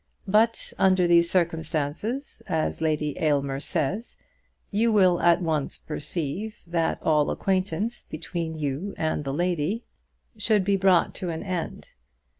But under these circumstances, as Lady Aylmer says, you will at once perceive that all acquaintance between you and the lady should be brought to an end.